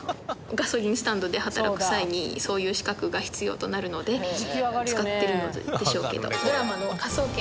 ガソリンスタンドで働く際にそういう資格が必要となるので使ってるんでしょうけど。